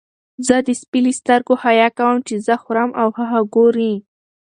زه د سپي له سترګو حیا کوم چې زه خورم او هغه ګوري.